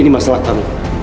ini masalah kami